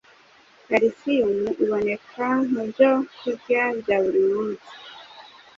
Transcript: Kalisiyumu iboneka mu byo turya bya buri munsi